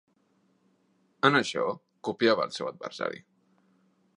En això, copiava el seu adversari.